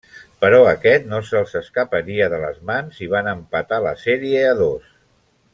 Però aquest no se'ls escaparia de les mans i van empatar la sèrie a dos.